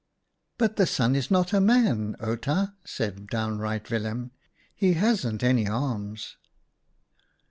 " But the Sun is not a man, Outa," said downright Willem, "and he hasn't any arms."